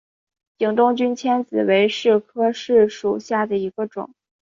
景东君迁子为柿科柿属下的一个种。